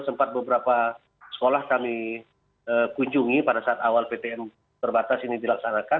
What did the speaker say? sempat beberapa sekolah kami kunjungi pada saat awal ptm terbatas ini dilaksanakan